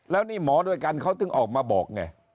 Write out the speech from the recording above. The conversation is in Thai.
แล้วนี่หมอด้วยกันเขาถึงออกมาบอกไง